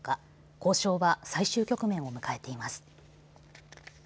交渉は最終局面を迎えています。